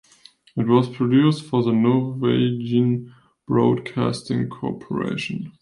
It was produced for the Norwegian Broadcasting Corporation.